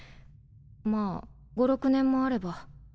まぁ５６年もあれば。